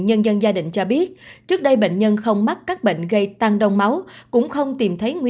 nhân dân gia đình cho biết trước đây bệnh nhân không mắc các bệnh gây tăng đông máu